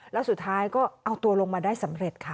แล้วสุดท้ายก็เอาตัวลงมาได้สำเร็จค่ะ